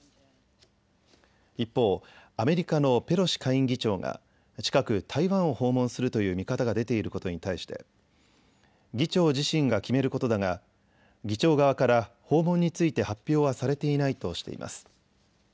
一方、アメリカのペロシ下院議長が近く台湾を訪問するという見方が出ていることに対して議長自身が決めることだが議長側から訪問について発表はされていないとしています。